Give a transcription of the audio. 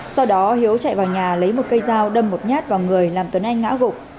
sau đó hiếu chạy vào nhà lấy một cây dao đâm một nhát vào người làm tuấn anh ngã gục